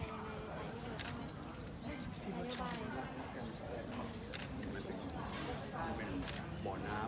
สวัสดีทุกคน